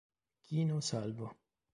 Quino Salvo